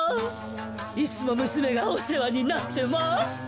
いつもむすめがおせわになってます。